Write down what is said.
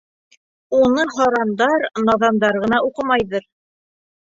Уны һарандар, наҙандар ғына уҡымайҙыр.